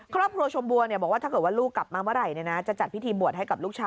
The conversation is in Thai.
ครอบครัวชมบัวบอกว่าถ้าเกิดว่าลูกกลับมาเมื่อไหร่จะจัดพิธีบวชให้กับลูกชาย